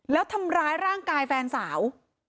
แล้วทำร้ายร่างกายแฟนสาว